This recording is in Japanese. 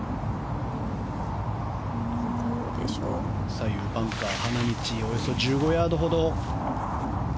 左右バンカー、花道はおよそ１５ヤードほど。